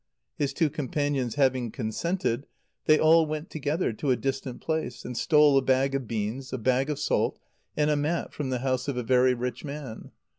His two companions having consented, they all went together to a distant place, and stole a bag of beans, a bag of salt, and a mat from the house of a very rich man.